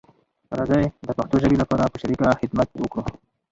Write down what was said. راځی د پښتو ژبې لپاره په شریکه خدمت وکړو